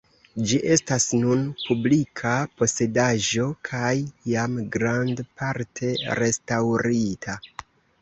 Ĝi estas nun publika posedaĵo kaj jam grandparte restaŭrita.